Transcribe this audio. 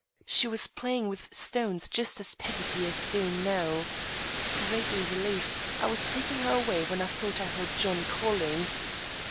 She was playing with stones just as Peggy dear is doing now. Greatly relieved, I was taking her away when I thought I heard John calling.